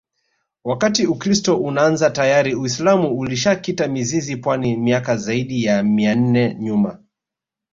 Wakati Ukiristo unaanza tayari uisilamu ulishakita mizizi pwani miaka ziaidi ya mia nne nyuma